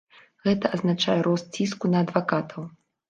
Гэта азначае рост ціску на адвакатаў.